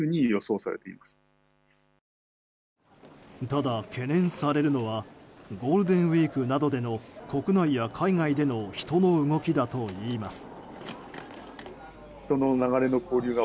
ただ、懸念されるのはゴールデンウィークなどでの国内や海外での人の動きだといいます。